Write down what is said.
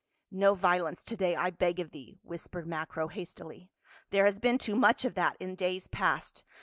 "No violence to day, I beg of thee," whispered Macro hastily. "There has been too much of that in days past.